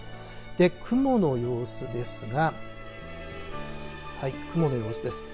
雲の様子ですが雲の様子です。